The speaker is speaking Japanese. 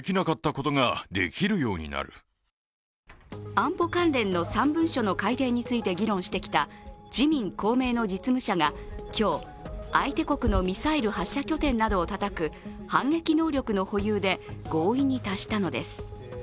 安保関連の３文書の改定について議論してきた自民・公明の実務者が今日、相手国のミサイル発射拠点などをたたく反撃能力の保有で合意に達したのです。